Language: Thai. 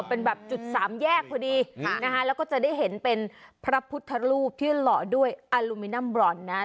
เป็นแบบจุดสามแยกพอดีนะฮะแล้วก็จะได้เห็นเป็นพระพุทธรูปที่หล่อด้วยอลูมินัมบรอนนะฮะ